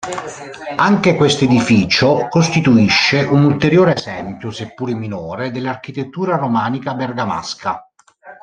Anche questo edificio costituisce un ulteriore esempio, seppure minore, dell'architettura romanica bergamasca.